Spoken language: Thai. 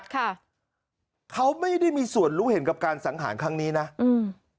ค่ะเขาไม่ได้มีส่วนรู้เห็นกับการสังหารครั้งนี้นะอืม